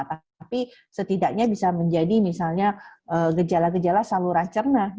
tapi setidaknya bisa menjadi misalnya gejala gejala saluran cerna